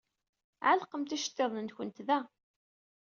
Ɛellqemt iceḍḍiḍen-nwent da.